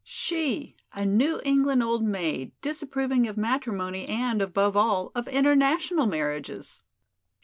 She, a New England old maid, disapproving of matrimony and, above all, of international marriages!